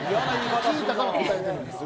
聞いたから答えたんですよ。